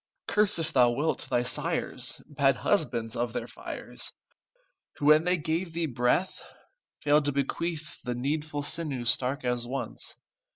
Curse, if thou wilt, thy sires, Bad husbands of their fires, Who, when they gave thee breath, Failed to bequeath The needful sinew stark as once.